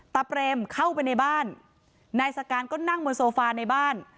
เปรมเข้าไปในบ้านนายสการก็นั่งบนโซฟาในบ้าน